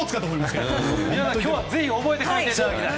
皆さん、ぜひ覚えて帰っていただきたい。